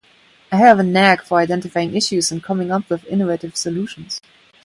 I have a knack for identifying issues and coming up with innovative solutions.